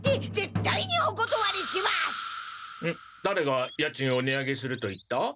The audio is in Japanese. だれが家賃を値上げすると言った？